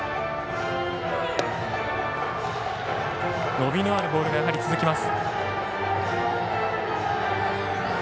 伸びのあるボールが続きます。